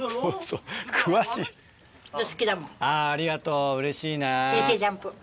ありがとううれしいな。